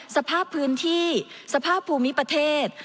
สภาพพื้นที่สภาพภูมิประเทศ